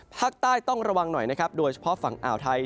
ภาคใต้ต้องระวังหน่อยนะครับโดยเฉพาะฝั่งอ่าวไทย